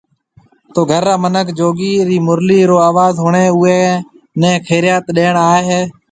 تو گھر را منک جوگي ري مُرلي رو آواز ۿڻي اوئي خيريئات ڏيڻ آوي ھيَََ